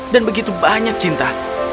dan begitu banyak cinta